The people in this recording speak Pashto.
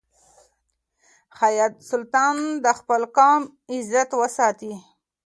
حیات سلطان د خپل قوم عزت وساتی.